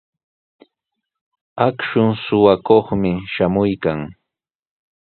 Akshu suqakuqmi shamuykan.